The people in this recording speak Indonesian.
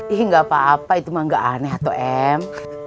ih gak apa apa itu mah gak aneh atau em